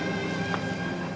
aku pun juga mikirin elsa juga ma